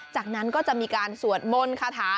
จากนั้นก็จะมีการสวดมนต์คาถา